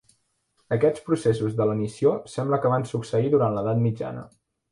Aquests processos de lenició sembla que van succeir durant l'edat mitjana.